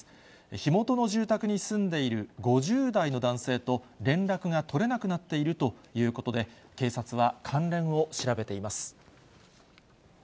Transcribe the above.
火元の住宅に住んでいる５０代の男性と連絡が取れなくなっているということで、警察は関連を調べています。